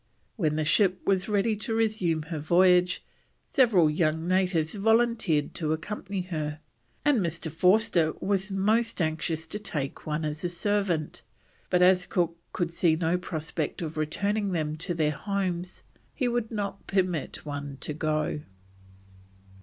When the ship was ready to resume her voyage, several young natives volunteered to accompany her, and Mr. Forster was most anxious to take one as a servant, but as Cook could see no prospect of returning them to their homes, he would not permit one to go.